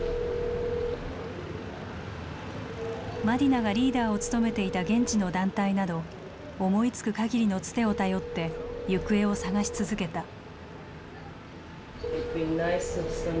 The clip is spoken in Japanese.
マディナがリーダーを務めていた現地の団体など思いつく限りのツテを頼って行方を捜し続けた。